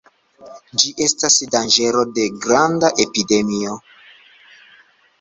Ĝi estas danĝero de granda epidemio.